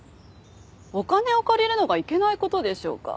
お金を借りるのがいけない事でしょうか。